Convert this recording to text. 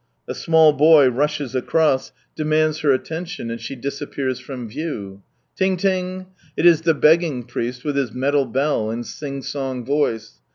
A small boy rushes across, demands her atten tion, and she disappears from view. " Tiiig ling!" It is the begging priest, with his metal bell, and sing song voice.